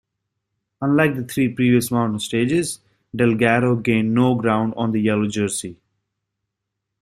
Unlike the three previous mountain stages, Delgado gained no ground on the yellow jersey.